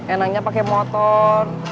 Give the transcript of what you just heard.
enaknya pakai motor